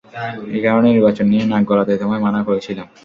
একারণেই নির্বাচন নিয়ে নাক গলাতে তোমায় মানা করেছিলাম।